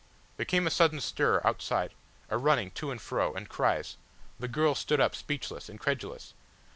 There came a sudden stir outside, a running to and fro, and cries. The girl stood up, speechless, incredulous.